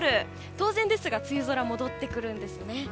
当然ですが梅雨空が戻ってくるんですね。